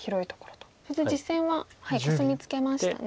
そして実戦はコスミツケましたね。